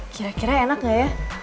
kira kira enak gak ya